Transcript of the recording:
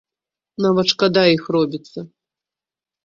Нават шкада іх робіцца.